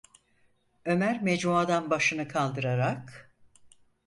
Ömer mecmuadan başını kaldırarak: